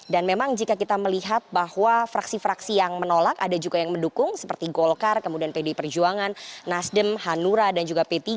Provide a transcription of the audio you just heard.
dan memang jika kita melihat bahwa fraksi fraksi yang menolak ada juga yang mendukung seperti golkar kemudian pd perjuangan nasdem hanura dan juga p tiga